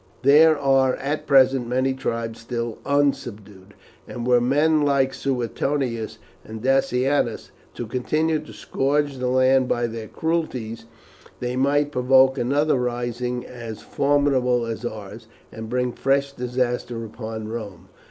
There are at present many tribes still unsubdued, and were men like Suetonius and Decianus to continue to scourge the land by their cruelties, they might provoke another rising as formidable as ours, and bring fresh disaster upon Rome.